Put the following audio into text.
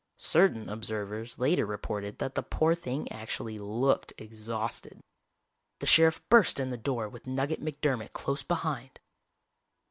Certain observers later reported that the poor thing actually looked exhausted. The sheriff burst in the door with Nugget McDermott close behind.